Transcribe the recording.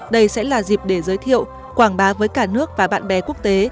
đây sẽ là dịp để giới thiệu quảng bá với cả nước và bạn bè quốc tế